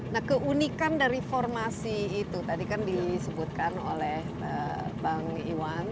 nah keunikan dari formasi itu tadi kan disebutkan oleh bang iwan